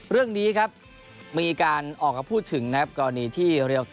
เรื่องนี้ครับมีการออกมาพูดถึงกรณีที่